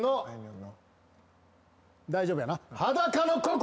大丈夫やな。